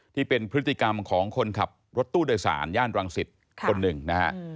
ที่เป็นพฤติกรรมของคนขับรถตู้โดยสารย่านรังสิตคนหนึ่งนะฮะ